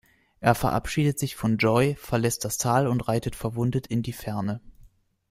Er verabschiedet sich von Joey, verlässt das Tal und reitet verwundet in die Ferne.